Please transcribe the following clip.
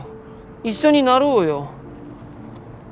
一緒になろうよ！